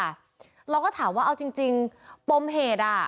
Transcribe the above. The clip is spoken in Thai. เราก็ถามว่าเอาจริงปมเหตุ